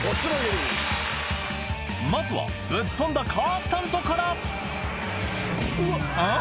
まずはぶっ飛んだカースタントからうん？